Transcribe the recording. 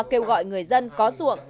kêu gọi người dân có ruộng